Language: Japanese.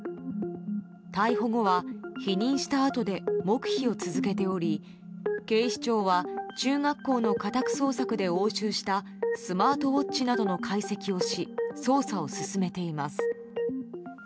逮捕後は、否認したあとで黙秘を続けており警視庁は中学校の家宅捜索で押収したスマートウォッチなどの解析をし捜査を進めています。